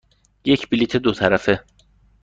یک بلیط دو طرفه.